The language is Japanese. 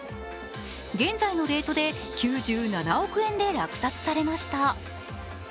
現在のレートで９７億円で落札されました。